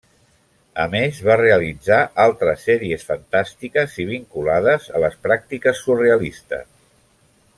A més va realitzar altres sèries fantàstiques i vinculades a les pràctiques surrealistes.